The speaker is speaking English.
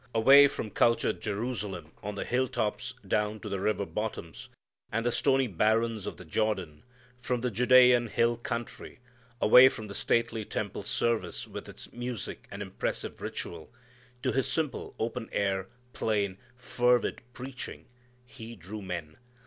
Away from cultured Jerusalem on the hilltops down to the river bottoms, and the stony barrens of the Jordan; from the Judean hill country, away from the stately temple service with its music and impressive ritual, to his simple open air, plain, fervid preaching, he drew men.